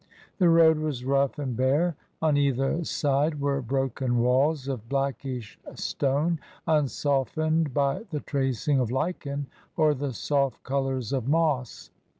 The road was rough and bare. On either side were broken walls of blackish stone, unsoflened by the tracing of lichen or the soft colours of moss.